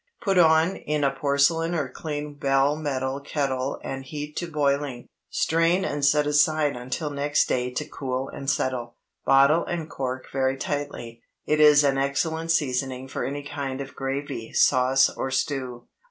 Put on in a porcelain or clean bell metal kettle and heat to boiling; strain and set aside until next day to cool and settle. Bottle and cork very tightly. It is an excellent seasoning for any kind of gravy, sauce, or stew.